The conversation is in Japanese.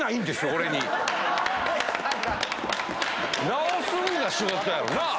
直すのが仕事やろ！なぁ？